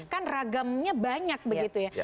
kan ragamnya banyak begitu ya